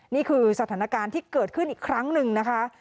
นี่คือสถานการณ์ที่เกิดขึ้นอีกครั้งหนึ่งนะคะ